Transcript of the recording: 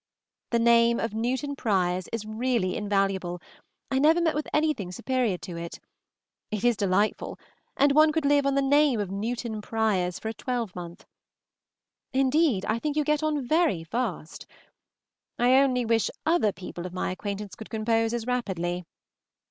The name of Newton Priors is really invaluable; I never met with anything superior to it. It is delightful, and one could live on the name of Newton Priors for a twelvemonth. Indeed, I think you get on very fast. I only wish other people of my acquaintance could compose as rapidly.